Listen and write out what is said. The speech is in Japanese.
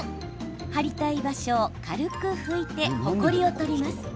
貼りたい場所を軽く拭いてほこりを取ります。